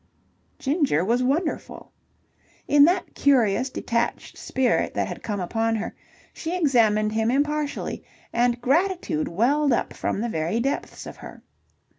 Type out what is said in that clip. Ginger was wonderful. In that curious, detached spirit that had come upon her, she examined him impartially, and gratitude welled up from the very depths of her.